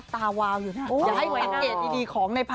แล้วคือเรือข์ดี